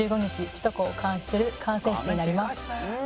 首都高を監視する管制室になります。